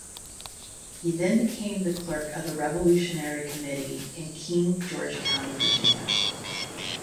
He then became the clerk of the Revolutionary Committee in King George County, Virginia.